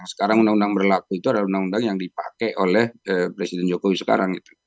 sekarang undang undang berlaku itu adalah undang undang yang dipakai oleh presiden jokowi sekarang